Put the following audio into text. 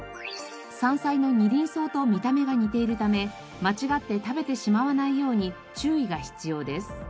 山菜のニリンソウと見た目が似ているため間違って食べてしまわないように注意が必要です。